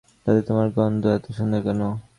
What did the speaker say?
দাদী, তোমার শরীরের গন্ধ এতো সুন্দর কেন?